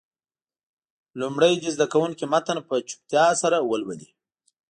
لومړی دې زده کوونکي متن په چوپتیا سره ولولي.